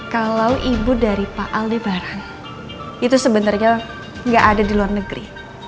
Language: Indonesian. kalo ibu dari pak aldebaran itu sebenernya gak ada di luar negeri